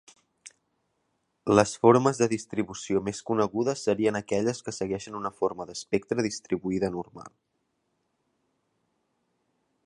Les formes de distribució més conegudes serien aquelles que segueixen una forma d'espectre distribuïda normal.